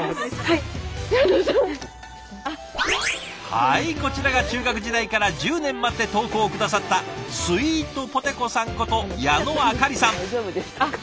はいこちらが中学時代から１０年待って投稿を下さったスイートポテこさんこと矢野愛茄里さん。